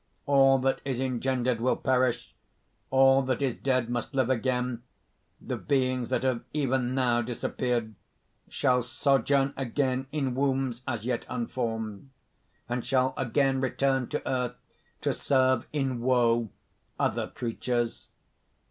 "All that is engendered will perish; all that is dead must live again; the beings that have even now disappeared shall sojourn again in wombs as yet unformed, and shall again return to earth to serve in woe other creatures.